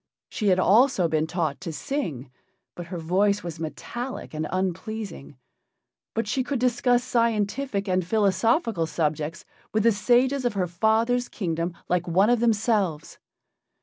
She had also been taught to sing, but her voice was metallic and unpleasing. But she could discuss scientific and philosophical subjects with the sages of her father's kingdom like one of themselves.